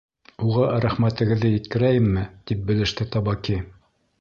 — Уға рәхмәтегеҙҙе еткерәйемме? — тип белеште Табаки.